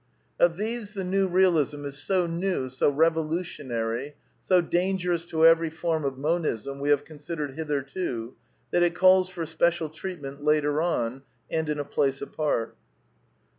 Of these the New Bealism is so new, so revolutionary, so dangerous to every form of Monism we have consid ered hitherto, that it calls for special treatment later on and in a place apart.